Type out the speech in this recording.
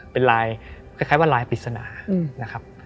เป็นลายคล้ายว่าลายปริศนานะครับ